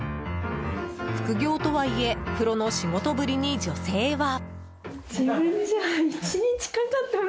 副業とはいえプロの仕事ぶりに女性は。